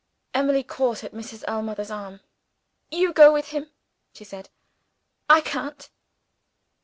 Emily caught at Mrs. Ellmother's arm. "You go with him," she said. "I can't."